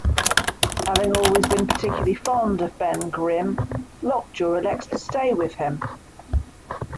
Having always been particularly fond of Ben Grimm, Lockjaw elects to stay with him.